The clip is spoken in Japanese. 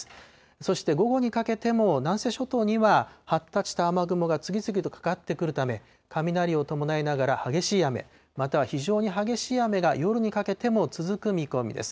そして午後にかけても南西諸島には発達した雨雲が次々とかかってくるため、雷を伴いながら、激しい雨、または非常に激しい雨が夜にかけても続く見込みです。